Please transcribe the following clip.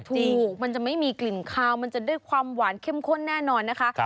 มันจะไม่มีกลิ่นคาวมันจะได้ความหวานเข้มข้นแน่นอนนะคะ